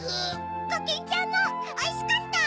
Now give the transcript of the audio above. コキンちゃんもおいしかった！